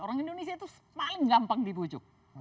orang indonesia itu paling gampang dibujuk